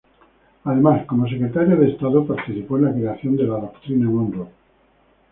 Además, como Secretario de Estado, participó en la creación de la Doctrina Monroe.